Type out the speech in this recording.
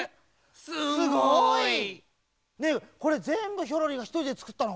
すごい！ねえこれぜんぶヒョロリがひとりでつくったの？